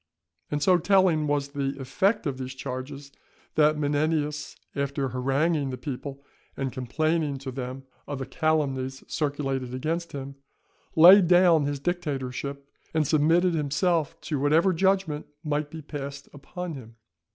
And so telling was the effect of these charges, that Menenius, after haranguing the people and complaining to them of the calumnies circulated against him, laid down his dictatorship, and submitted himself to whatever judgment might be passed upon him.